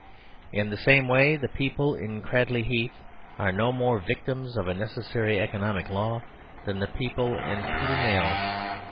In the same way the people in Cradley Heath are no more victims of a necessary economic law than the people in Putumayo.